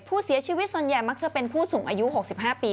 ผู้เสียชีวิตส่วนใหญ่มักจะเป็นผู้สูงอายุ๖๕ปี